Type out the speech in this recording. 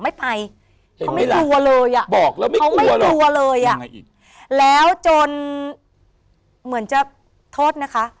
ไม่ไปเขาไม่กลัวเลยอ่ะบอกแล้วเขาไม่กลัวเลยอ่ะแล้วจนเหมือนจะโทษนะคะ